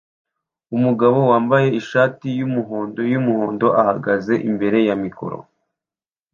Umugabo wambaye ishati yumuhondo yumuhondo ahagaze imbere ya mikoro